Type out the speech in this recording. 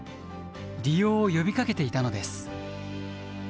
利用を呼びかけていたのです。